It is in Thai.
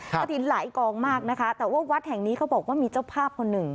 กระถิ่นหลายกองมากนะคะแต่ว่าวัดแห่งนี้เขาบอกว่ามีเจ้าภาพคนหนึ่ง